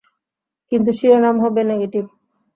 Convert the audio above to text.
কিন্তু শিরোনাম হবে নেগেটিভ।